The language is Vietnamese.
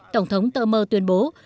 tổng thống tơ mơ tuyên bố